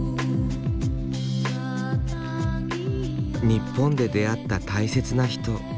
日本で出会った大切な人。